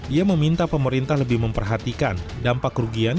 ia meminta pemerintah lebih memperhatikan dampak kerugian